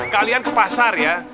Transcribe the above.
kalian ke pasar ya